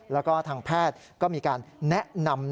แล้วก็ทางแพทย์ก็มีการแนะนำ